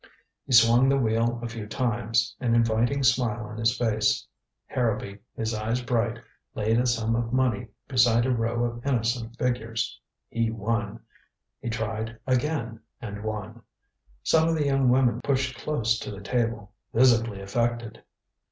He swung the wheel a few times, an inviting smile on his face. Harrowby, his eyes bright, laid a sum of money beside a row of innocent figures. He won. He tried again, and won. Some of the young women pushed close to the table, visibly affected.